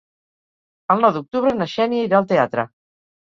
El nou d'octubre na Xènia irà al teatre.